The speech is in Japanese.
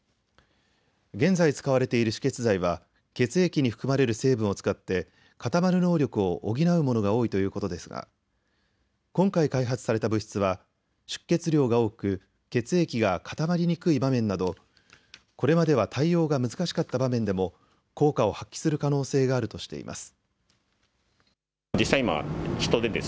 現在使われている止血剤は血液に含まれる成分を使って固まる能力を補うものが多いということですが今回、開発された物質は出血量が多く血液が固まりにくい場面などこれまでは対応が難しかった場面でも効果を発揮する可能性があるとしています。